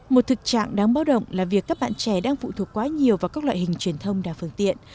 một thực trạng đáng báo động là việc các bạn trẻ đang phụ thuộc quá nhiều vào các loại hình truyền thông đa phương tiện